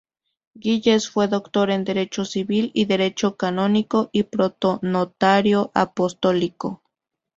Gilles fue doctor en derecho civil y derecho canónico y proto-notario apostólico.